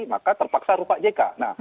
maka terpaksa rupa jk